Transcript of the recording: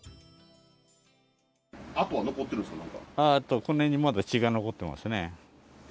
この辺にまだ血が残ってますね。